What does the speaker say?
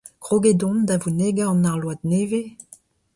Kroget on da vonegañ an arload nevez.